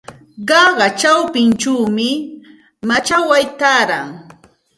Qaqa chawpinchawmi machakway taaran.